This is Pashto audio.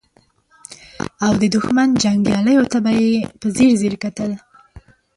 او د دښمن جنګياليو ته به يې په ځير ځير کتل.